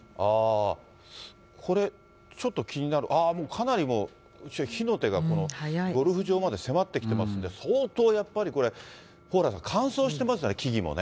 これ、ちょっと気になる、ああ、もうかなりもう、火の手がこのゴルフ場まで迫ってきてますんで、相当やっぱりこれ、蓬莱さん、乾燥してますよね、木々もね。